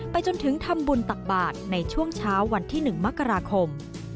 จนถึงทำบุญตักบาทในช่วงเช้าวันที่๑มกราคม